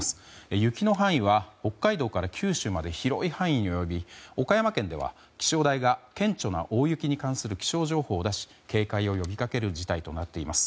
雪の範囲は北海道から九州まで広い範囲に及び岡山県では気象台が顕著な大雪に関する気象情報を出し警戒を呼びかける事態となっています。